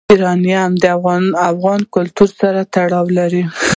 یورانیم د افغان کلتور سره تړاو لري.